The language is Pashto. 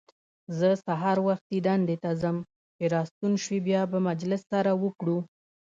زه سهار وختي دندې ته ځم، چې راستون شوې بیا به مجلس سره وکړو.